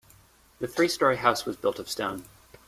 The three story house was built of stone.